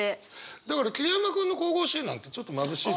だから桐山君の「神々しい」なんてちょっと「まぶしい」に。